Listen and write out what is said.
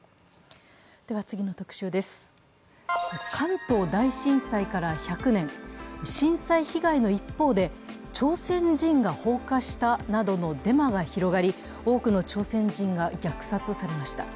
次の特集です、関東大震災から１００年、震災被害の一方で、朝鮮人が放火したなどのデマが広がり多くの朝鮮人が虐殺されました。